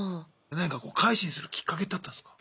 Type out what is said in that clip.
なんかこう改心するきっかけってあったんすか？